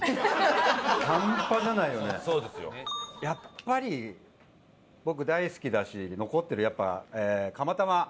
やっぱり僕大好きだし残ってるやっぱ釜玉。